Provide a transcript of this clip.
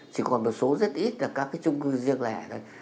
chỉ còn một số rất ít là các cái trung cư riêng lẻ thôi